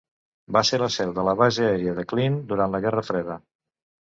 Va ser la seu de la base aèria de Klin durant la Guerra Freda.